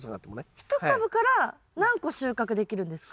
１株から何個収穫できるんですか？